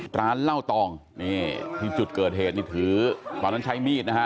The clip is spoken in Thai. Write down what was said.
ร้านเหล้าตองนี่ที่จุดเกิดเหตุนี่ถือตอนนั้นใช้มีดนะฮะ